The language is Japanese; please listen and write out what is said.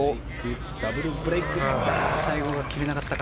ダブルブレーク最後は行けなかったか。